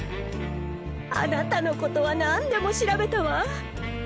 あなたのことは何でも調べたわ。